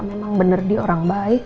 memang benar dia orang baik